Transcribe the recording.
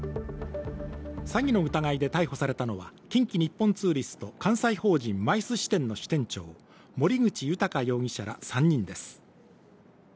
詐欺の疑いで逮捕されたのは近畿日本ツーリスト関西法人ＭＩＣＥ支店の支店長、森口裕容疑者ら３人です。